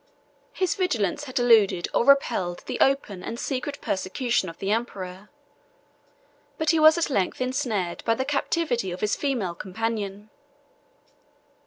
His vigilance had eluded or repelled the open and secret persecution of the emperor; but he was at length insnared by the captivity of his female companion.